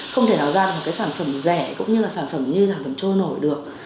không thể nào ra một cái sản phẩm rẻ cũng như là sản phẩm như sản phẩm trôi nổi được